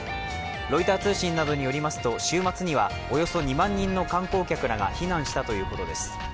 ロイター通信などによりますと週末にはおよそ２万人の観光客らが避難したということです。